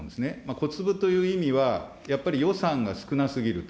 小粒という意味は、やっぱり予算が少なすぎると。